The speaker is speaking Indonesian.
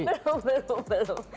belum belum belum